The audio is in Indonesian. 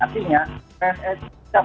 artinya pssi tidak